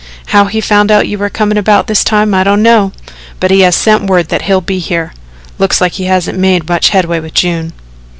How he found out you were comin' about this time I don't know, but he has sent word that he'll be here. Looks like he hasn't made much headway with June."